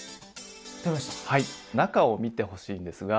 中を見てほしいんですが。